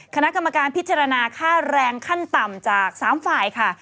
คณะกรรมการพิจารณาค่าแรงขั้นต่ำจาก๓ฝ่ายค่ะ